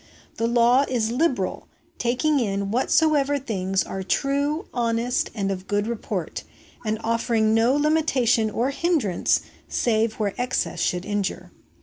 The law is liberal, taking in whatsoever things are true, honest, and of good report, and offering no limitation or hindrance save where excess should injure.